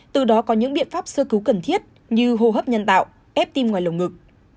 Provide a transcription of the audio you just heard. từ đó có những biện pháp sơ cứu cần thiết như hô hấp nhân tạo ép tim ngoài lồng ngực